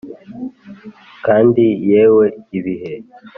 kandi yewe ibihe